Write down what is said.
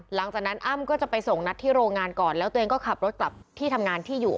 อ้ำก็จะไปส่งนัดที่โรงงานก่อนแล้วตัวเองก็ขับรถกลับที่ทำงานที่อยู่